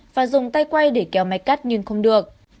và dùng tay quay để kéo máy cắt nhưng không được